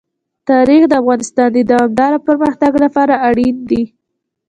تاریخ د افغانستان د دوامداره پرمختګ لپاره اړین دي.